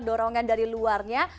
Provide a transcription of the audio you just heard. dorongan dari luarnya